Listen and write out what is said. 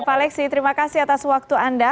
pak lexi terima kasih atas waktu anda